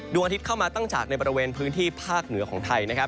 ดวงอาทิตย์เข้ามาตั้งจากในบริเวณพื้นที่ภาคเหนือของไทยนะครับ